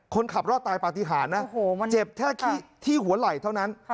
คนขับรอดตายปฏิหารนะเจ็บแค่ที่หัวไหล่เท่านั้น